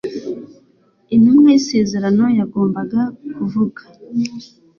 Intumwa y'isezerano yagombaga kuvuga.